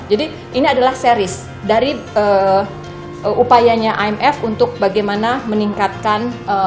jadi ini adalah series dari upayanya imf untuk bagaimana meningkatkan pre competition